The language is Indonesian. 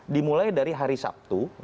dimulai dari hari sabtu